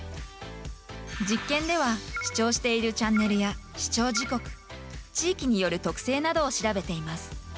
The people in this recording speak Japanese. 実験では視聴しているチャンネルや視聴時刻、地域による特性などを調べています。